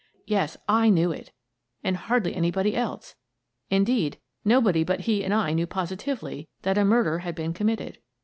Yes, / knew it — and hardly anybody else! In deed, nobody but he and I knew positively that a murder had been committed.